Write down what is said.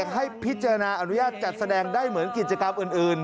ให้พิจารณาอนุญาตจัดแสดงได้เหมือนกิจกรรมอื่น